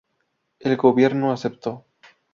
El gobierno aceptó.